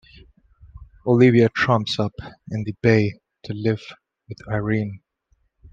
Olivia turns up in the Bay to live with Irene.